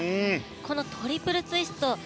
このトリプルツイスト。